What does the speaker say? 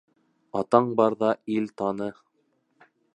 Атаң барҙа ил таны.